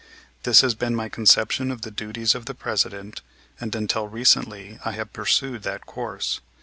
This has been my conception of the duties of the President, and until recently I have pursued that course.